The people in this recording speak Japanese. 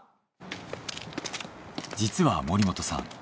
実は森本さん